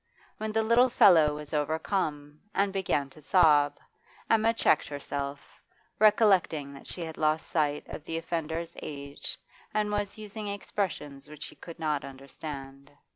When the little fellow was overcome, and began to sob, Emma checked herself, recollecting that she had lost sight of the offender's age, and was using expressions which he could not understand.